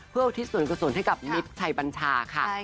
เพื่อทิศส่วนกระส่วนให้กับมิตรชัยปัญชาค่ะ